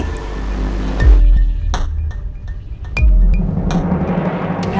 nih aku sendiri